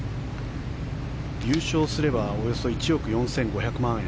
優勝すればおよそ１億４５００万円。